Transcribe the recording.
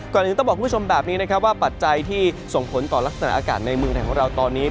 ก่อนอื่นต้องบอกคุณผู้ชมแบบนี้นะครับว่าปัจจัยที่ส่งผลต่อลักษณะอากาศในเมืองไทยของเราตอนนี้